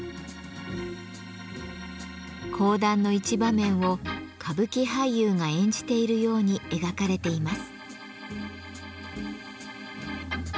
講談の一場面を歌舞伎俳優が演じているように描かれています。